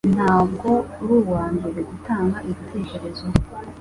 Ntabwo uri uwambere gutanga igitekerezo